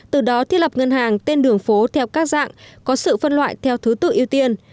từ đó thiết lập ngân hàng tên đường phố theo các dạng có sự phân loại theo thứ tự ưu tiên